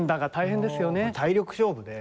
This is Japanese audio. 体力勝負で。